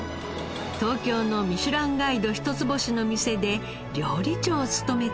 東京のミシュランガイド一つ星の店で料理長を務めた